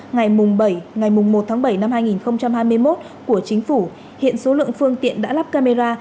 ngày một tháng bảy năm hai nghìn hai mươi một của chính phủ hiện số lượng phương tiện đã lắp camera